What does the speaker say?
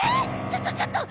ちょっとちょっと！